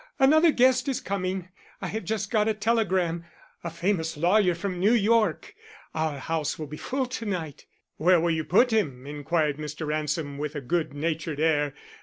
Another guest is coming I have just got a telegram. A famous lawyer from New York. Our house will be full to night." "Where will you put him?" inquired Mr. Ransom with a good natured air.